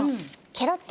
ケロッ！